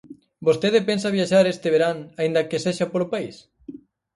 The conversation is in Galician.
Vostede pensa viaxar este verán aínda que sexa polo país?